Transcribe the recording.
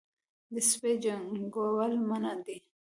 د سپي جنګول منع دي